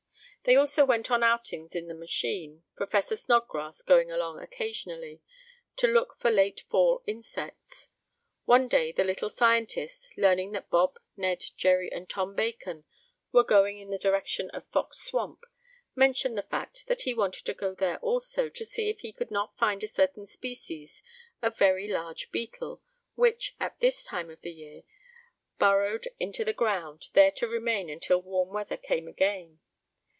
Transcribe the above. They also went on outings in the machine, Professor Snodgrass going along occasionally, to look for late fall insects. One day the little scientist, learning that Bob, Ned, Jerry and Tom Bacon were going in the direction of Fox Swamp, mentioned the fact that he wanted to go there also, to see if he could not find a certain species of very large beetle, which, at this time of the year, burrowed into the ground, there to remain until warm weather came again.